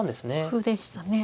歩でしたね。